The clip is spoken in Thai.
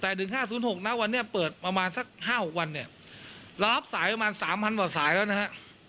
แต่หนึ่งห้าศูนย์หกน้ำวันนี้เปิดประมาณสักห้าหกวันเนี้ยรอบสายประมาณสามพันหวัดสายแล้วนะฮะ